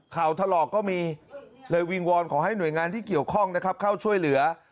ถลอกก็มีเลยวิงวอนขอให้หน่วยงานที่เกี่ยวข้องนะครับเข้าช่วยเหลือ